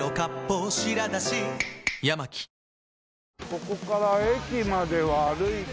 ここから駅までは歩いて。